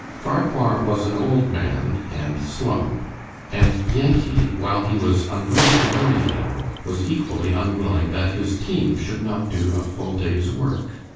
Farquhar was an old man and slow, and Yankee, while he was unwilling to hurry him, was equally unwilling that his team should not do a full day's work.